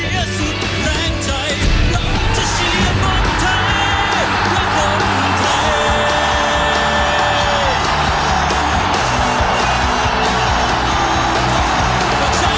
มีความสุขกับการเล่นฟุตบอลให้น่าที่สุด